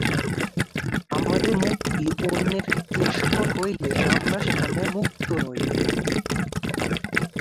আমাদের মুক্তি অন্যের ক্লেশকর হইলে আমরা সেখানে মুক্ত নই।